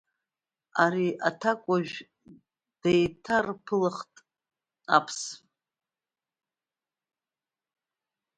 Ани аҭакәажә деиҭарԥылахт Аԥс.